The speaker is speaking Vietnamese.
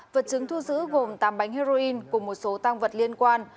vật chứng thu giữ gồm tám bánh heroin cùng một số tăng vật liên quan